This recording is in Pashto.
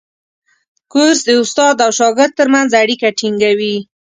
کورس د استاد او شاګرد ترمنځ اړیکه ټینګوي.